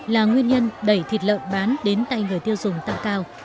là nguyên nhân đẩy thịt lợn bán đến tay người tiêu dùng tăng cao